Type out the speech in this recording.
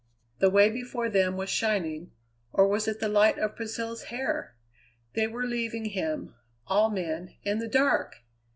The way before them was shining, or was it the light of Priscilla's hair? They were leaving him, all men, in the dark!